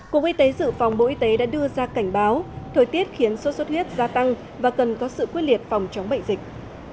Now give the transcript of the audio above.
cục y tế dự phòng bộ y tế đã đưa ra cảnh báo thời tiết khiến sốt xuất huyết gia tăng và cần có sự quyết liệt phòng chống bệnh dịch